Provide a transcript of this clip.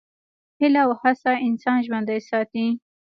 هیله او هڅه انسان ژوندی ساتي.